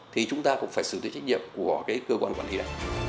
thì chúng ta cũng phải xử lý trách nhiệm của cơ quan quản lý đó